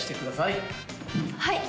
はい！